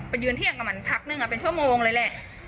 ยืนเที่ยงกับมันพักนึงเป็นชั่วโมงเลยแหละ